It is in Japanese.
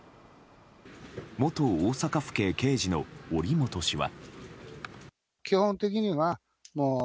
元大阪府警刑事の折元氏は。